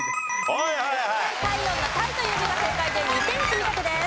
液体体温の「体」という字が正解で２点積み立てです。